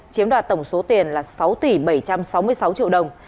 chiếm đoạt tổng số tiền là sáu tỷ bảy trăm sáu mươi sáu triệu đồng